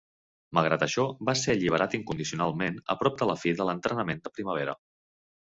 Malgrat això, va ser alliberat incondicionalment a prop de la fi de l'entrenament de primavera.